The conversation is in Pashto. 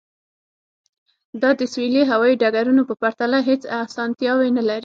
دا د سویلي هوایی ډګرونو په پرتله هیڅ اسانتیاوې نلري